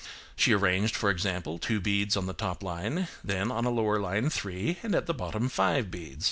She arranged, for example, two beads on the top line, then on a lower line three, and at the bottom five beads.